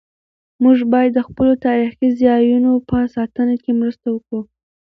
موږ باید د خپلو تاریخي ځایونو په ساتنه کې مرسته وکړو.